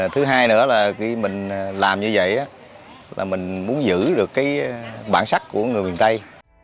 thứ hai nữa là khi mình làm như vậy là mình muốn giữ được cái bản sắc của người miền tây